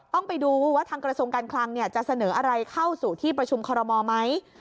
ต้องไปดูว่าทางกระทรวงการคลังจะเสนออะไรเข้าสู่ที่ประชุมคอรมอลไหม